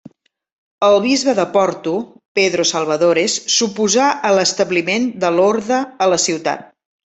El bisbe de Porto, Pedro Salvadores s'oposà a l'establiment de l'orde a la ciutat.